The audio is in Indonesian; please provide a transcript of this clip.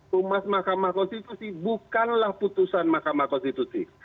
humas mahkamah konstitusi bukanlah putusan mahkamah konstitusi